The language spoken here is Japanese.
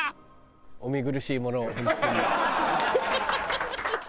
お見苦しいものを本当に。